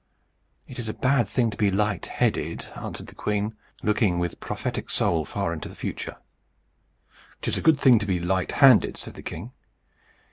"It is a bad thing to be light headed," answered the queen, looking with prophetic soul far into the future. "'Tis a good thing to be light handed," said the king.